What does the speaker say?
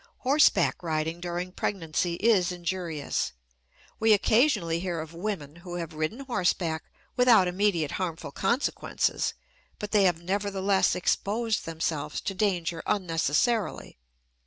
Horseback riding during pregnancy is injurious. We occasionally hear of women who have ridden horseback without immediate harmful consequences, but they have nevertheless exposed themselves to danger unnecessarily.